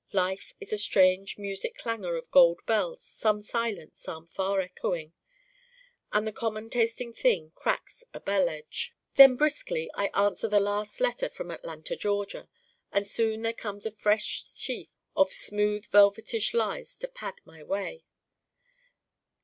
Life is a strange music clangor of gold bells, some silent, some far echoing. And the common tasting thing cracks a bell edge. Then briskly I answer the last letter from Atlanta Georgia and soon there comes a fresh sheaf of smooth velvetish lies to pad my way.